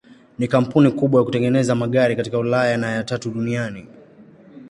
Ni kampuni kubwa ya kutengeneza magari katika Ulaya na ya tatu duniani.